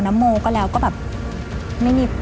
น้ำโมก็แล้วก็แบบ